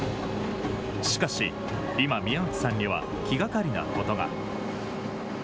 しかし、今、宮内さんには気がかりなことが。